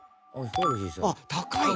あっ高いね！